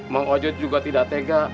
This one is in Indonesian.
mang ojo juga tidak tega